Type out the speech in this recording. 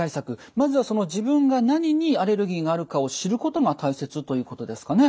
まずは自分が何にアレルギーがあるかを知ることが大切ということですかね。